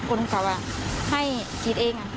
คนเขาให้คิดเอง